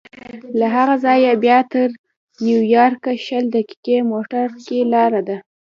له هغه ځایه بیا تر نیویارکه شل دقیقې موټر کې لاره ده.